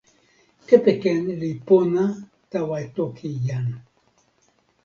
kepeken li pona tawa toki jan.